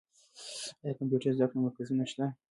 آیا د کمپیوټر زده کړې مرکزونه شته؟